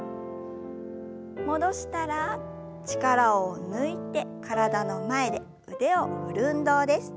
戻したら力を抜いて体の前で腕を振る運動です。